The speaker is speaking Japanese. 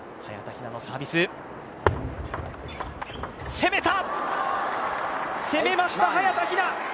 攻めた、攻めました早田ひな！